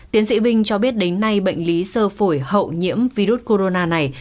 tiến sĩ vinh cho biết đến nay bệnh lý sơ phổi hậu nhiễm virus corona này